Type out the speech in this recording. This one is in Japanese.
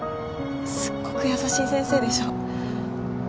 すっごく優しい先生でしょ？